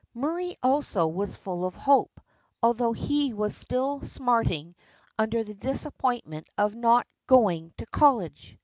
Murray also was full of hope, although he was still smarting under the disappointment of not go ing to college.